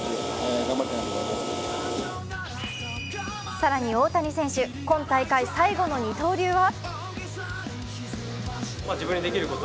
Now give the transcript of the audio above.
更に大谷選手、今大会最後の二刀流は？